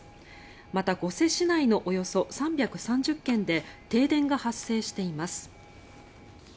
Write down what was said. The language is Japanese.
また、御所市内のおよそ３３０軒で停電が発生しています。